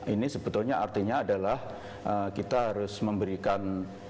ini sebetulnya artinya adalah kita harus memberikan